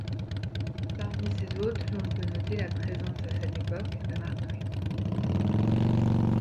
Parmi ses hôtes, l'on peut noter la présence à cette époque de Mark Twain.